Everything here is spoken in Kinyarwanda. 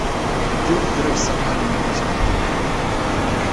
Ibyo ukora bisa nkaho ari bibi cyane kuruta ibyo nkora.